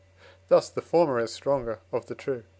Thus the former is the stronger of the two.